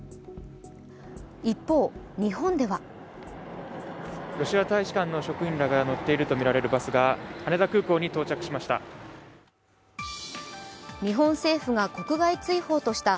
一方、日本ではロシア大使館の職員らが乗っているとみられるバスが羽田空港に到着しました。